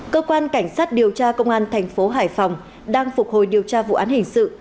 cơ quan cảnh sát điều tra công an thành phố hải phòng đang phục hồi điều tra vụ án hình sự